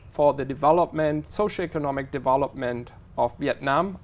vì vậy các bạn cảm thấy thế nào về việt nam